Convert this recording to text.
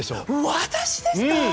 私ですか？